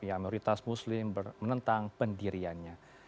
ya mayoritas muslim menentang pendiriannya